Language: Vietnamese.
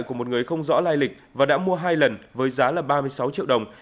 của một người không rõ lai lịch và đã mua hai lần với giá là ba mươi sáu triệu đồng